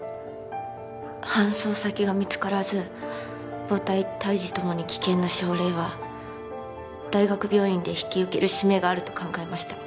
搬送先が見つからず母体胎児ともに危険な症例は大学病院で引き受ける使命があると考えました。